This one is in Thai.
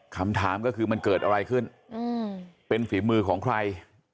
คำถามก็คือมันเกิดอะไรขึ้นเป็นฝีมือของใคร